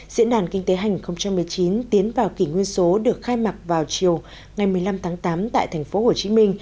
diễn đàn kinh tế hành một mươi chín tiến vào kỷ nguyên số được khai mạc vào chiều một mươi năm tám tại tp hcm